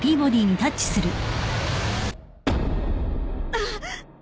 あっ！